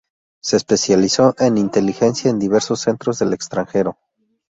Se especializó en inteligencia en diversos centros del extranjero.